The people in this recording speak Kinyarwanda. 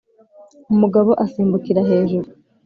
umugabo asimbukira hejuru,